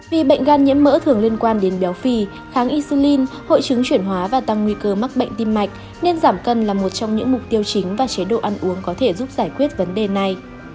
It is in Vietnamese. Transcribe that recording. vì bệnh gan nhiễm mỡ thường liên quan đến béo phì kháng isulin hội chứng chuyển hóa và tăng nguy cơ mắc bệnh tim mạch nên giảm cân là một trong những mục tiêu chính và chế độ ăn uống có thể giúp giải quyết vấn đề này